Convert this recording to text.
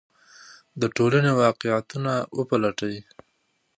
د ټولنې واقعیتونه وپلټئ.